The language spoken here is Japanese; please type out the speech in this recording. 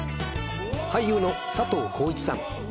俳優の佐藤浩市さん